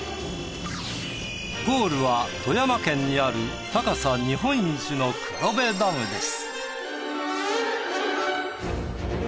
ゴールは富山県にある高さ日本一の黒部ダムです。